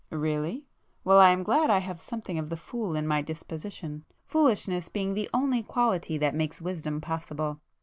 "Really? Well I am glad I have something of the fool in my disposition,—foolishness being the only quality that makes wisdom possible.